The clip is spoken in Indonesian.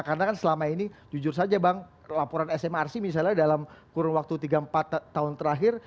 karena kan selama ini jujur saja bang laporan smrc misalnya dalam kurun waktu tiga empat tahun terakhir